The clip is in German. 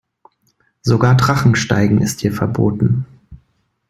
Sogar Drachensteigen ist hier verboten.